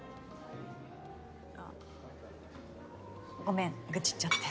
あっごめん愚痴っちゃって。